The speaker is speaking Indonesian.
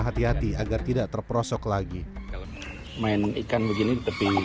hati hati agar tidak terperosok lagi main ikan begini di tepi